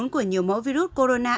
của nhiều mẫu virus corona